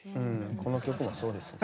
この曲もそうですね。